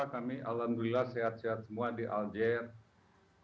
kami alhamdulillah sehat sehat semua di aljazeera